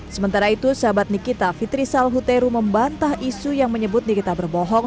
sementara itu sahabat nikita fitri salhuteru membantah isu yang menyebut nikita berbohong